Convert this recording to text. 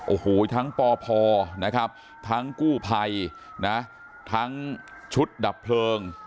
โอ้โหทั้งปพนะครับทั้งกู้ภัยนะทั้งชุดดับเพลิง